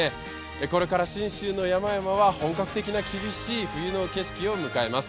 これから信州の山々は本格的な厳しい冬の景色を迎えます。